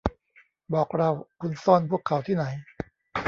บอกเรา - คุณซ่อนพวกเขาที่ไหน